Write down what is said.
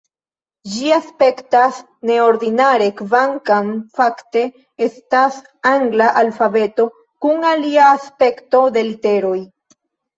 Ĝi aspektas neordinare, kvankam fakte estas angla alfabeto kun alia aspekto de literoj.